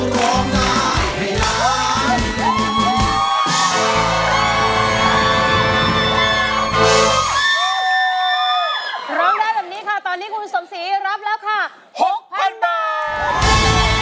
ร้องได้แบบนี้ค่ะตอนนี้คุณสมศรีรับแล้วค่ะ๖๐๐๐บาท